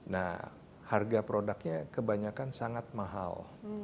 nah harga produknya kebanyakan sangat mahal